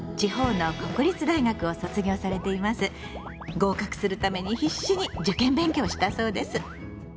合格するために必死に受験勉強をしたそうです。